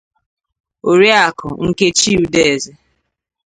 Oriakụ Nkechi Udeze